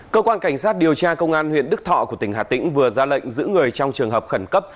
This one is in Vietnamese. cơ quan cảnh sát điều tra công an huyện đức thọ của tỉnh hà tĩnh vừa ra lệnh giữ người trong trường hợp khẩn cấp